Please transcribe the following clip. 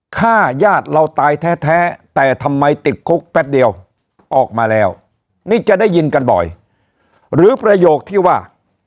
ฆ่าญาติเราตายแท้แต่ทำไมติดคุกแป๊บเดียวออกมาแล้วนี่จะได้ยินกันบ่อยหรือประโยคที่ว่า